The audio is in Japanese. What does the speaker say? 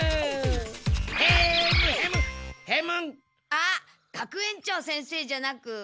あっ学園長先生じゃなく。